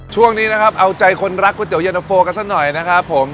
ช่วงนี้นะครับเอาใจคนรักก๋วเตียนโฟกันสักหน่อยนะครับผม